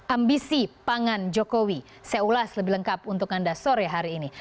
ambisi pangan jokowi saya ulas lebih lengkap untuk anda sore hari ini